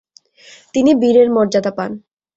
তিনি বীরের মর্যাদা পান।